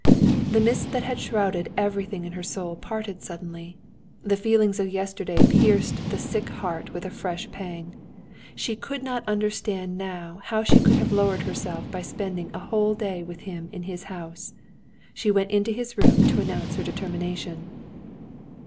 The mists that had shrouded everything in her soul parted suddenly. The feelings of yesterday pierced the sick heart with a fresh pang. She could not understand now how she could have lowered herself by spending a whole day with him in his house. She went into his room to announce her determination.